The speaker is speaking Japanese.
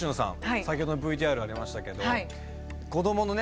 先ほどのＶＴＲにありましたけど子供のね